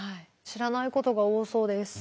知らないことが多そうです。